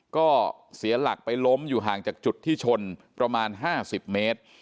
ก็เสียหลักไปล้มอยู่ห่างจากจุดที่ชนประมาณ๕๐เมตร